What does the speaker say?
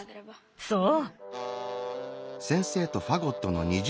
そう。